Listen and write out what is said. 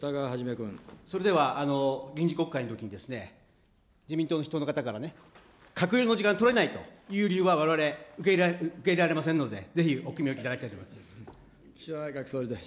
それでは臨時国会のときに、自民党の筆頭の方からね、閣僚の時間が取れないという理由はわれわれ受け入れられませんので、ぜひお決めいただきたいと思います。